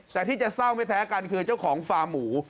แต่ที่จะเศร้าไม่แพ้กันคือเจ้าของฟาร์หมู